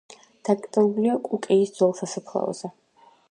დაკრძალულია კუკიის ძველ სასაფლაოზე.